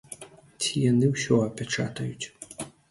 Ці яны ўсё апячатаюць.